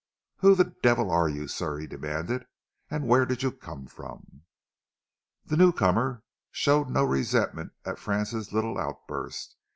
"Who the devil are you, sir," he demanded, "and where did you come from?" The newcomer showed no resentment at Francis' little outburst.